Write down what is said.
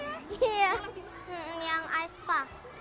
kenapa suka aespa